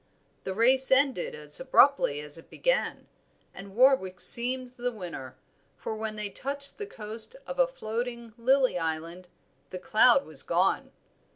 The race ended as abruptly as it began, and Warwick seemed the winner, for when they touched the coast of a floating lily island, the cloud was gone.